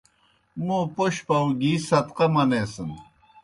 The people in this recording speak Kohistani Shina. موں پوْش پاؤ گِی صدقہ منیسِن۔